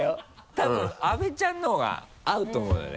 たぶん阿部ちゃんの方が合うと思うよね。